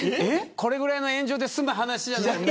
これぐらいの炎上で済む話じゃない。